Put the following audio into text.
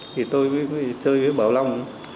thì tôi chơi với bảo long